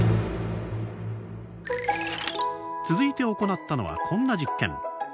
続いて行ったのはこんな実験。